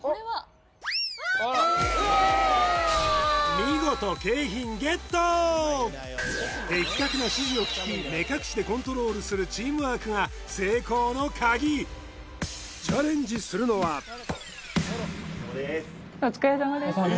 見事的確な指示を聞き目隠しでコントロールするチームワークが成功のカギお疲れさまです